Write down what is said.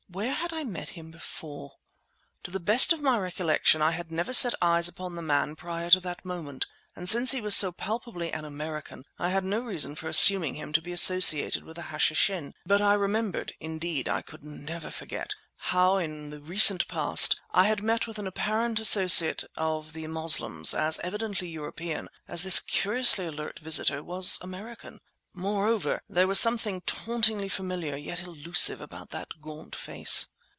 Where had I met him before? To the best of my recollection I had never set eyes upon the man prior to that moment; and since he was so palpably an American I had no reason for assuming him to be associated with the Hashishin. But I remembered—indeed, I could never forget—how, in the recent past, I had met with an apparent associate of the Moslems as evidently European as this curiously alert visitor was American. Moreover ... there was something tauntingly familiar, yet elusive, about that gaunt face.